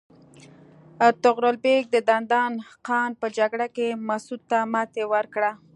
طغرل بیګ د دندان قان په جګړه کې مسعود ته ماتې ورکړه.